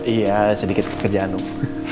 iya sedikit pekerjaan om